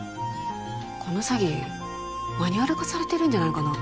この詐欺マニュアル化されてるんじゃないかな？